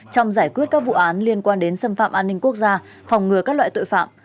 trong giải quyết các vụ án liên quan đến xâm phạm an ninh quốc gia phòng ngừa các loại tội phạm